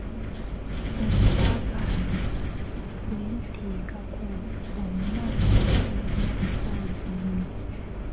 Obupaapali bweriteekako bwonna bukozimba bukozimbi.